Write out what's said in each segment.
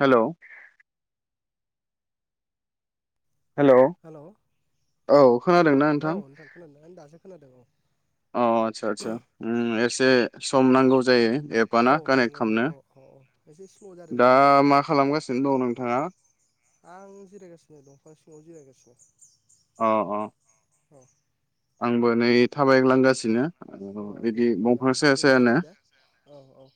Hello hello औ खोनादोंना औ नोंथां खोनादों आं दासो खोनादों औ औ आदसा आदसा उम एस दे सम नांगौ जायो। एपआ ना औ कानेक्ट नंगौ जे खालामनो औ औ औ एसे स्ल' जादों दा नामा मा खालामगासिनो दं नोंथाङा? सिनो अ अ औ आंबो नै थाबायग्लांगासिनो। अ दे बिदि दंफां मोजाङानो साया जेरै सायानो सुबिदा औ औ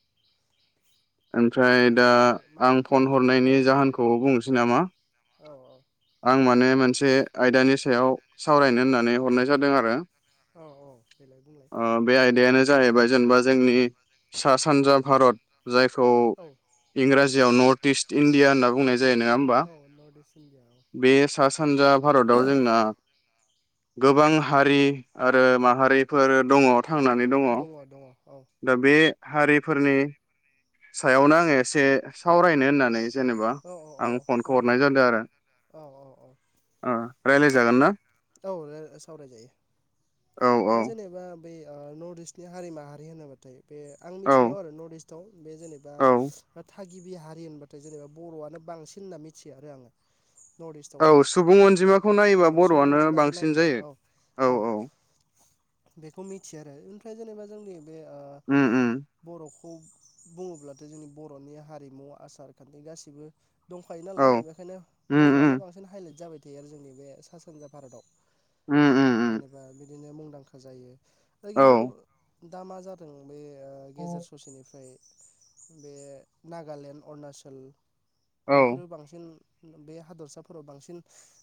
ओमफ्राय मा दा एबार मा आं फन टपिकनि सायाव हरनायनि जाहोनखौ बुंनोसै नामा औ आं माने मोनसे आयदानि सायाव सावरायनो होननानै हरनाय जादों आरो औ औ देलाय बुंलाय ओ बे आयदायानो जाहैबाय जेनेबा जोंनि सास सानजा भारत जायखौ औ इंराजि याव नर्थ इस्ट इण्डिया होनना बुंनाय जायो नङा होमबा औ नर्थ इस्ट इण्डिया बे सा सानजा भारताव जोंना गोबां हारि आरो माहारिफोर दङ थांनानै दङ। औ दङ औ औ दा बे हारिफोरनि सायावनो आङो एसे सावरायनो होननानै जेनेबा औ औ औ औ आं फनखौ हरनाय सावरायजायो जादों आरो औ औ औ ओ रायलायजागोन ना औ रा सावरायजायो औ औ दा जेनेबा बे नर्थ इस्टनि हारि माहारि होनोबाथाय बे आं औ मिथिनायाव आरो नर्थ इस्टआव बे जेनेबा औ थागिबि हारि होनबाथाय जेनेबा बर'आनो बांसिन होनना मिथियो आरो आङो नर्थ औ इस्टआवहाय सुबुं अनजिमाखौ औ नायोबा सुबुं बर'आनो अनजिमाखौ बांसिन नायोबा जायो औ औ औ। बेखौ मिथियो आरो ओमफ्राय जेनेबा जोंनि बे ओे उम उम बरख खौ बुङोब्लाथ' जोंनि बर'नि हारिमु आसार खान्थि गासि बो दंखायो औ नालाय उम बेखायनो उम बर'आनो बांसिन हाइलाइट जाबाय। बे जोंनि बे सा सानजा भारताव। उम उम उम जेनेबा बि दिनो मुंदांखा जायो। ओइ औ खिन्थु। दा मा जादों। बे ओ गेजेर ससेनिफ्राय बे नागालेण्ड, अरुणाचल औ बेफोरो बांसिन बे हादरसाफोराव बांसिन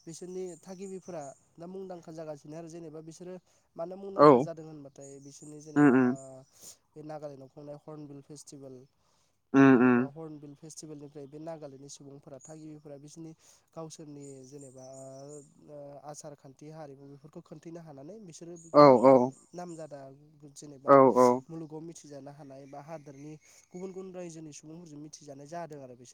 बिसोरनि थागिबिफोरा दा मुंदांखा जागासिनो आरो जेनेबा बिसोरो मानो औ मुंदांखा जादों होनबाथाय बिसोरनि उम जेनेबा उम बे नागालेण्डआव खुंनाय हर्नबिल फेस्टिभेल उम उम जेनेबा हर्नबिल फेस्टिभेलनि बे नागालेण्डनि सुबुंफोरा थागिबिफोरा बिसिरनि गावसोरनि जेनेबा ओ ओ आसार खान्थि हारिमुफोरखौ खोन्थैनो हानानै बिस रो औ गोबां नाम जादो दा गु [inaudible] औ जेनेबा औ मुलुगाव मिथ थिजानो हानाय बा हादोरनि गुबुन गुबुन रायजोनि सुबुंफोरजों मिथिजानाय जादों आरो बिस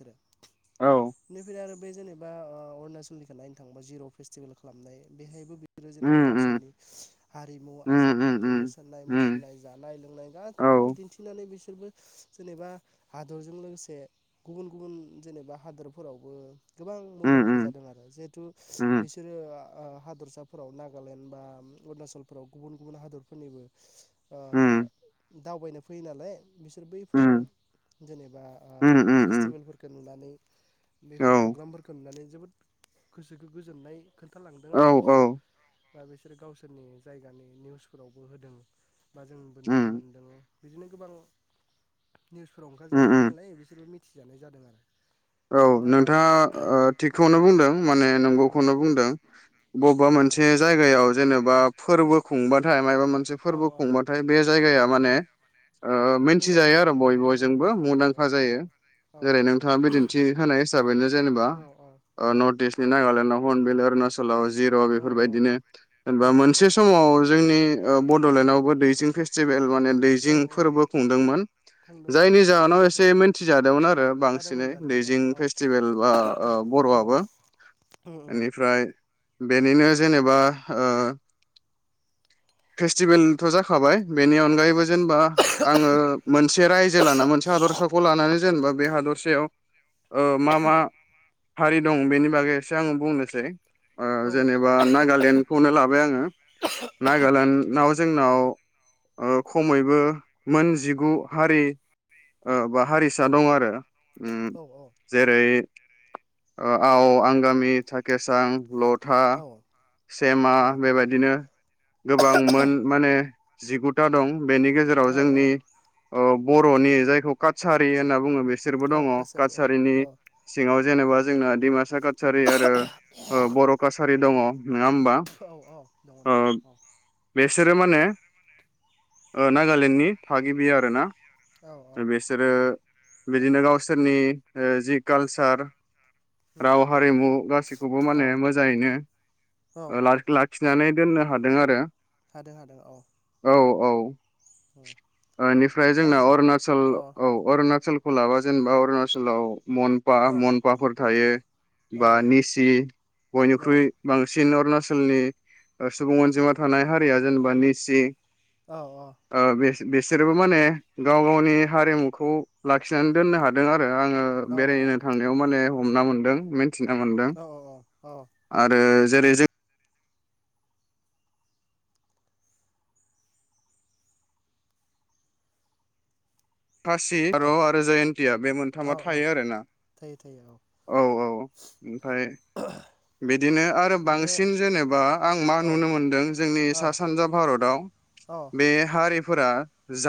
औ निफ्राय आरोब बे जेनेबा ओ अरनाचलनिखो नायनो थांबा जिर' पेस्टिबेल खालामनाय बेहायबो बे जोरो उम जेनेबा उम गावसोरनि हारिमु आसार उम उम खान्थि उम मोसानाय उम मुसुरनाय जानाय लोंनाय औ गासैखौबो दिन्थिनानै बिस सोरबो जेनेबा हादरजों लोगोसे गुबुन गुबुन जेनेबा हादोरफोरावबो। गोबां उम मुंदांखा उम जादों आरो जिहेथु उम बिसोरो ओ ओ हादरसाफोराव नागालेण्ड बा अरुणाचलफोराव गुबुन गुबुन हादरफोरनिबो। ओ। उम दावबायनो फैयो नालाय। बिसोर उम बैफोरो जेनेबा ओ उम उम पेच उम फोरखो नुनानै औ बेफोर प्रग्रामफोरखो नुनानै जोबोद गोसोखौ गोजोननाय खोन्थालांदों औ आरो औ बिसोरबो बा बिसोर गावसोरनि जायगानि निउसफोरावबो होदों बा जों ओम बिदिनो गोबां उम निउसफोरावओंखारजालायबाय उम नालाय बिसोरो थिजानाय जादों आरो औ दा नोंथाङा ओ औ थिगखौनो बुंदों माने उम नंगौखौनो बुंदों औ बबेबा मोनसे जायगायाव जेनेबा फोरबो खुंबाथाय माबा मोनसे औ फोरबो औ खुंबाथाय बे जायगायाव माने ओ मुंदांखा मिथिजायो आरो जायो बय औ बयजोंबो मिथिजायो औ मुंदांखा औ जायो औ जेरै नोंथाङा बिदिन बे होन्नाय हिसाबै जेनेबा ओ औ नर्थ इस्टनि नागालेण्डआव बेला अरुनाचलआव जिर औ औ औ बेफोरबायदिनो औ एबा मोनसे समाव जोंनि ओ बडलेण्डआवबो दैजिं फेस्टिभेल माने औ दैजिं फोरबो खुंदोंमोन खुंदोंमोन जायनि जाहोनाव बेनिफ्राय एसे मिथिजादोंमोन आरो बांसिनै जादोंमोन जादोंमोन औ दैजिं औ फेस्टिभेल बा ओ औ बरआबो उम उम बेनिफ्राय बेनिनो जेनेबा ओ फेस्टिभेलथ जाखाबाय बेनि अनगायैबो जेनेबा आङो मोनसे राज्यो लाना मोनसे हादरसाखौ लानानै जेनेबा बे हादरसायाव ओ मा-मा हारि दं बेनि बागै एसे आं बुंनोसै ओ औ जेनेबा नागालेण्डखौनो लाबाय आङो नागालेण्ड नाव जोंनाव ओ खमैबो मोनजिगु हारि ओ बा हारिसा दं आरो। ओ औ जेरै आव, आंगामि, थाकेसां, लड था, सेमा औ बेबायदिनो गोबांमोन माने जिगुथा दं। बेनि गेजेराव औ औ जोंनि अ बरनि जायखौ कसारि होनना बुङो बेस औ दङ कासारि औ कासारिनि औ सिङाव जेनेबा जोंना डिमासा का- सारि आरो ओ‌ बर' कासारि दङ। नङा होमबा? औ औ दङ ओ दङ औ बेसोरो माने ओ नागालेण्डनि थागिबि आरो ना। औ बेसोरो औ बिदिनो गावसोरनि ओ जि कालस सार। उम राव, हारिमु गासैखौबो औ माने मोजाङैनो ओ लाग लाग फिनानै दोननो हादों आरो। हादों-हादों औ। औ ओनिफ्राय मा जोंना जो अरुणाचल औ अरुणाचल खौ लाबा जेनेबा अरुणाचलाव मनफा औ मनफाफोर थायो। बा औ निसि बयनिख्रुइ बांसिन अरुना सोलनि सुबुं अनजिमा थानाय हारिया जेनेबा निसि औ-औ। ओ बिसोरबो माने गाव गावनि हारिमुखौ लाखिनानै दोननो हादों आ रो आङो औ बेरायनो थांनायाव माने हमना मोनदों मिन थिना मोनदों। औ आरो जेरै जों खासि, औ गार' आरो जयन्तिया बे मोनथामा औ थायो आरोना। थायो थायो औ औ ओमफ्राय बिदिनो आरो बे बांसिन जेनेबा आं मा औ नुनो मोनदों जोंनि सा औ सानजा भारताव औ बे हारिफोरा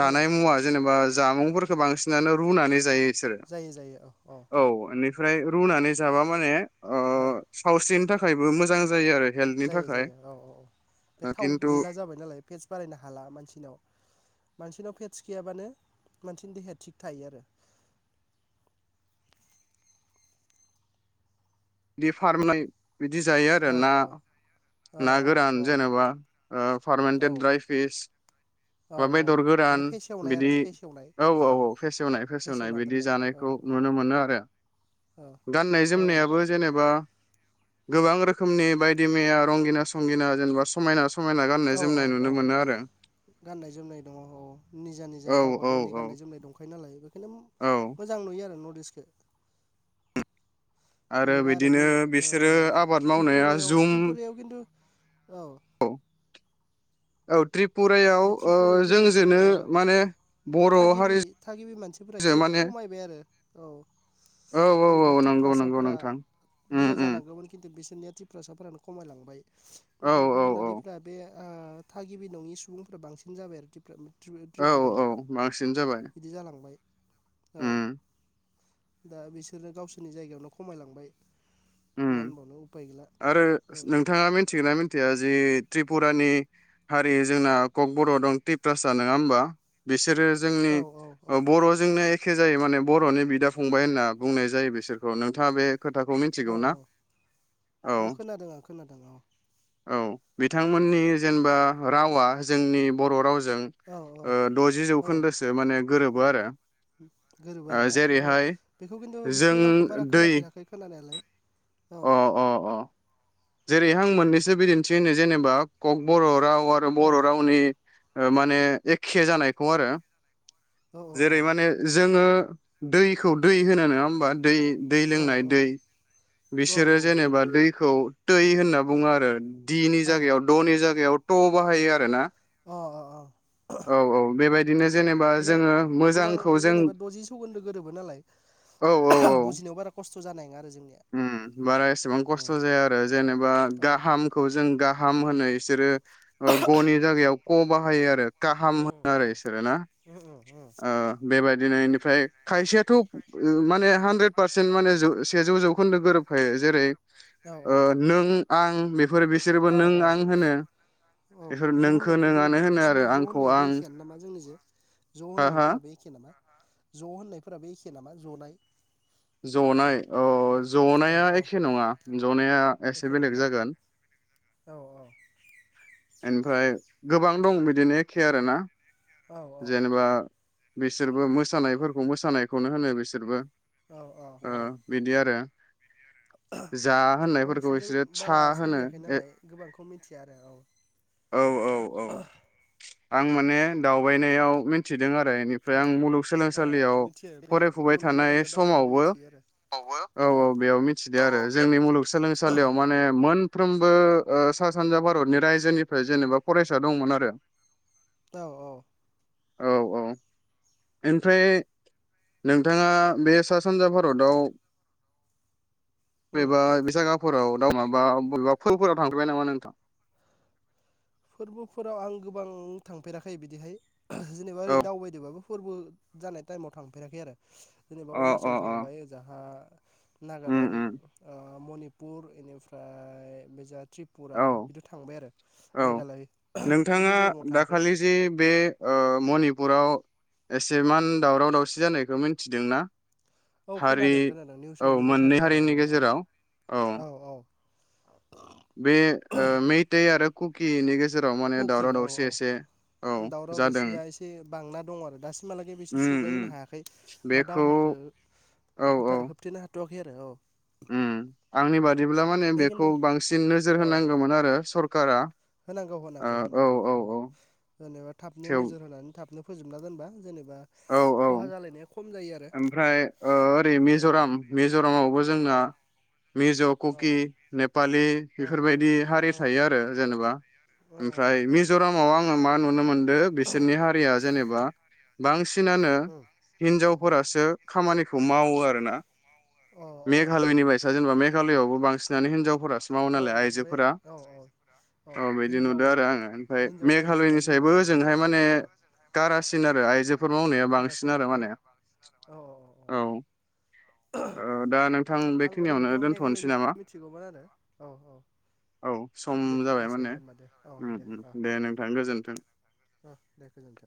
उम मुवा जेनेबा जामुंफोरखो बांसिनानो रुनानै जायो बिसोरो जायो जायो औ औ एनिफ्राय औ रुनानै जाबा माने ओ औ सावस्रिनि थाख थाखायबो मोजां जायो आरो। हेल्थनि जायो थाखाय जायो औ औ औ बे थाव खिन्थु गैला जाबाय नालाय पेट्स बारायनो हाला मानसिनाव। मानसिनाव फेट्स गैयाबानो मानसिनि देहाया थिग थायो आरो। दे फार्मनाय बिदि जायो आरो औ ना औ ना गोरान जेनेबा ओ औ फारमेन्टेट ड्राइ फिस औ बा औ बेदर माने गोरान फेसेवनाय आरो बिदि फेसेवनाय औ औ औ फेसेवनाय फेसेवनाय फेसेवना बिदि दोननाय औ जानायखौ नुनो मोनो आरो। औ गाननाय जोमनायाबो औ जेनेबा गोबां रोखोमनि बायदि मैया रंगिना संगिना जेनेबा समायना समायना गाननाय औ औ जोमनाय औ नुनो मोनो आरो गाननाय जोमनाय दङ औ निजा निजा औ गावबा औ गावनि औ गाननाय जोमनाय दंखायो नालाय बेखायनो औ मोजां नुयो आरो नर्ट दिसखो जेनेबा आरो बिदिनो बे ओ बिसोरो आबाद मावनाया त्रिपुरायाव जुम त्रिपुरायाव किन्तु औ। औ त्रिप बे त्रिपुरायाव खिन्थु बे ओ माने बर' थागिबि हारिजों थागिबि मानसिफोरा एसे माने खमायबाय आरो औ। औ औ जेनेबा औ नंगौ नंगौ तिप्रासाफोरा नोंथां उम बुजा उम जानांगौमोन किन्तु बिसो निया त्रिफ्रासाफोरानो खमायलांबाय। औ ओमफ्राय औ गुबुन औ हारिफोरा बे ओ थागिबि नङि सुबुं फोरा बांसिन जाब आरो ट्रिप्रानि औ औ बांसिन जाबाय। बिदि जालांबाय औ उम दा बिसोरो गावसिनि जायगायावनो खमायलांबाय। उम मा होनबावनो उफाय गैला आरो उम नोंथाङा मिथिगोन ना मिन थिया जे त्रिपुरानि हारि जोंना कक बर' दं त्रिप्रासा नङा होमबा बिसोरो जोंनि औ औ औ ओ बर'जोंनो एखे जायो माने बर'नि बिदा फंबाय होनना बुंनाय जायो बिसोरखौ नोंथाङा बे खोथाखौ औ मिथिगौ ना औ औ खोनादों आं खोनादों औ। औ बिथांमोननि जेनेबा रावा जोंनि बर' राव जों औ औ ओ द'जि औ जौखोन्दोसो माने गोरोबो आरो। गोरोबो आरो ओ ना आ जेरैहाय बेखौ खिन्थु जों बिसिनि रावखौ बारा दै खोनाफेराखै खोनानायालाय। औ। अ अ अ जेरै आं मोननैसो बिदिन्थि होनो जेनेबा कक बर' राव आरो औ बर' रावनि ओ माने एखे जानायखौ आरो औ औ औ जेरै माने जोङो दैखौ दै होनो नोङा होमबा दै दै औ लोंनाय दै औ बिसोरो औ दै जेनेबा लोंनाय दैखौ थै होनना बुङो आरो दिनि औ जागायाव द'नि जागायाव थ' बाहायो आरो ना अ अ अ [inaudible] क्षऔ औ बेबाय माने गोबां जों जेनेबा दजि सौगोन्दो गोरोबो नालाय औ औ [unintelligible] औ बुजिनायाव बारा खस्थ जानाय नङा आरो जोंनिया उम बारा एसेबां उम खस्थ' जाया आरो जेनेबा अ गाहामखौ जों गा खाम होनो बिसोरो गनि जायगायाव क बाहायो आरो खाहाम उम उम होनो आरो उम इसोरो ना उम उम उम बेबायाददिनो बेनिफ्राय खायसेयाथ' माने हानद्रेद पारसेन्ट माने जौ सेजौ जौ गोरोबखायो जेरै औ ओ औ नों आं बे औ औ औ बेफोर ज' नोंखो होननायखौबो नोंआनो होनो आरो बिसिनि ज' आंखौ होननायाबो आं एखेयानो नामा जोंनि जे ज' हा हा होननायफोराबो एखे नामा? ज' होननायफोराबो एखे नामा जनाय ज'नाय अ औ जनाया औ एखे नङा जनाया एसे एखे नङा बेलेग ना जागोन। औ औ ओमफ्राय गोबां दं बिदिनो एखे आरोना औ जेनेबा बिसोरबो मोसानायफोरखौ मोसानायखौनो होनो बिसोरबो। औ औ ओ औ बिदि आरो जा आं होननायफोरखौ बिसोरजों बिसोरो सा बारा होनो सोलियाखै नालाय गोबांखौ मिथिया आरो औ औ औ औ आं माने दाउ दावबायनायाव मिथि दों आरो बेनिफ्राय औ आं औ औ औ मुलुगसोलोंसालियाव मिथियो बे फरायफुबाय गुबुन गुबुन थानाय जायगायाव दावबायबा समावबो मिथियो आरो औ औ बेयाव मिथिदो आरो जोंनि मुलुगसोलोंसालियाव माने मोन फ्रोमबो ओ सा सानजा भारतनि रायजोनिफ्राय जेनेबा फरायसा दंमोन आरो औ औ औ औ ओमफ्राय नोंथाङा बे सा सानजा भारताव उम बेबा बे जागा फोराव दाउ माबा बबेबा फुलफोराव थांफेरबाय नामा नोंथां? फोरबोफोराव आं गोबां थांफेराखै बिदिहाय [unintelligible] जेनेबा ओरै औ दाउबायदो बाबो फोरबो जानाय टाइमाव थांफेराखै आरो। जेनेबा अ अ अरुणाचल अ थांबाय ओजाहा उम उम नागालेण्ड मनिपुर बेनिफ्राय बिजा त्रिपुरा औ थि थांबाय आरो औ मेघालय खिन्थु नोंथाङा मिज'रामाव थाङाखै दाखालि जे बे ओ मनि पुराव एसेमान दावराव दावसि जानायखौ मिथिदों ना? औ खोनादों खोनादों निउसाव नुबाय मोननै थादों आरो औ हारिनि गेजेराव औ औ औ। बे मेथै आरो कुकिनि गे कुकि औ औ दावराव दावसिया एसे बांना दङ' आरो दासिमहालागै बिसोर उम सुग्लाय उम होनोनो हायाखै बा बेखौ दावहाखौ औ औ होबथा होबथेनो हा थ'आखै आरो औ उम आंनि बाद बिदिब्ला माने बे बेखौ खिन्थु बांसिन नोजोर औ होनांगौमोन आरो सरखारा होनांगौ होनांगौ ओ औ होनांगौ औ अ औ जेनेबा थाबनो थेव नोजोर होनानै थाबनो फोजोबना दोनबा जेनेब औ औ ओमफ्राय ओरै औ मिज'राम मिज'रामावबो औ जोंना मिज' औ कुकि नेपालि औ बेफोरबायदि हारि औ थायो आरो जेनेबा ओ ओमफ्राय औ मिज'रामाव आं मा नुनो मोनदो बिसोरनि हारिया जेनेबा बांसि नानो उम हिनजावफोरासो खामानिखौ मावो आरोना। अ अ अ मेघालयनि बायसा जेनेबा मेघ घालयआवबो बांसिनानो हिनजावफोरा सो मावो औ नालाय औ बे आइजोफोरा औ औ औ बिदि नुदो आरो आङो ओमफाय हिन्जाव रायजो होनना बुङो मेघालयनिसायबो नालाय बेफोरखौ ओजोंहाय माने औ कारासिन आरो आइ जोफोर मावनाया बांसिन गारासिन आरो आरोना माने औ ओ दा नोंथां आं बेखिनियावनो ओरैनोथ' दोनथ'नोसै मेघालयनिखौ नामा? मिथिगौमोन आरो औ औ औ सम दे जाबाय जासिगोन माने दे होमबा दे औ उम ओ उम दे नोंथां गोजोनथों। ओ दे गोजोन्थों